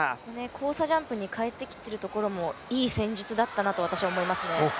交差ジャンプに変えてきているところも、いい戦術だったなと私は思いますね。